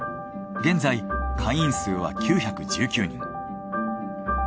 現在会員数は９１９人。